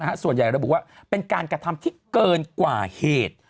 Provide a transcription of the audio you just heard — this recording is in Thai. ส่วนใหญ่ระบุว่าเป็นการกระทำที่เกินกว่าเหตุ